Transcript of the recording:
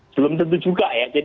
belum tentu juga ya